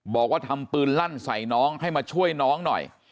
บอกว่าทำปืนลั่นใส่น้องให้มาช่วยน้องหน่อย